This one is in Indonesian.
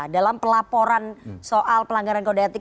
dalam pelaporan soal pelanggaran kode etik